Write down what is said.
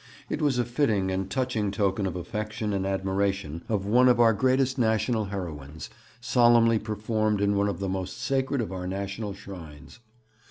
It was a fitting and touching token of affection and admiration of one of our greatest national heroines, solemnly performed in one of the most sacred of our national shrines.